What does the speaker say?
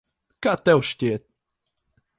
Kā tev šķiet?